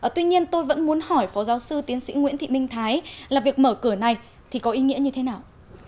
tuy nhiên tôi vẫn muốn hỏi phó giáo sư tiến sĩ nguyễn thị minh thái là việc mở cửa này thì có ý nghĩa như thế nào